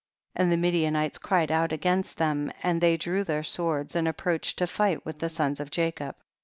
And the Midianites cried out against them, and they drew their swords, and approached to fight with the sons of Jacob.